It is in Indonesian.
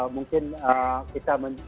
mungkin kita menjaga